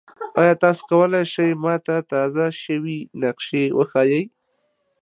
ایا تاسو کولی شئ ما ته تازه شوي نقشې وښایئ؟